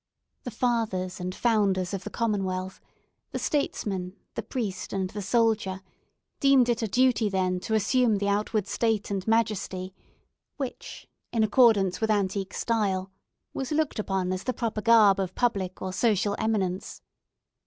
The fathers and founders of the commonwealth—the statesman, the priest, and the soldier—seemed it a duty then to assume the outward state and majesty, which, in accordance with antique style, was looked upon as the proper garb of public and social eminence.